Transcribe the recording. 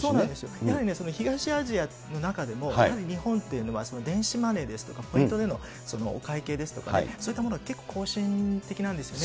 やはり東アジアの中でも、日本っていうのは電子マネーですとか、ポイントでのお会計ですとかね、そういったものが結構後進的なんですよね。